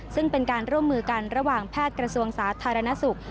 ซึ่งเป็นการร่วมมือกันระหว่างแพทย์กระทรวงสาธารณสุข